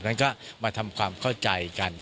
นั้นก็มาทำความเข้าใจกัน